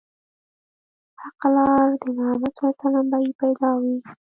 حقه لار د محمد ص به يې پيدا وي